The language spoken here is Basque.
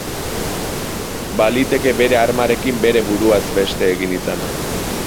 Baliteke bere armarekin bere buruaz beste egin izana.